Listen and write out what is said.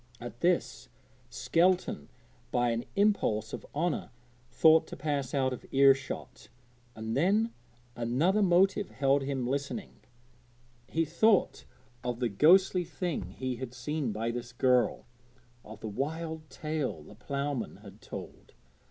At this Skelton by an impulse of honour thought to pass out of ear shot, and then another motive held him listening. He thought of the ghostly thing he had seen by this girl, of the wild tale the ploughman had told.